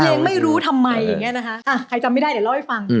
ไม่รู้ทำไมอย่างนี้นะคะใครจำไม่ได้เดี๋ยวเล่าให้ฟัง